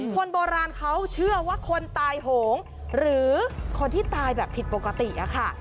คนโบราณเขาเชื่อว่าคนตายโหงหรือคนที่ตายแบบผิดปกติอะค่ะ